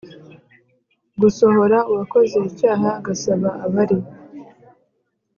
gusohora uwakoze icyaha agasaba abari